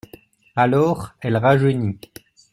Alors, elle rajeunit.